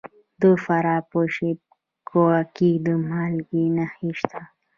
د فراه په شیب کوه کې د مالګې نښې شته.